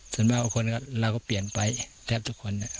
ส่วนมากเราก็เปลี่ยนไปแทบทุกคน